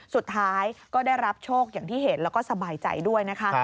สุดท้ายก็ได้รับโชคอย่างที่เห็นแล้วก็สบายใจด้วยนะคะ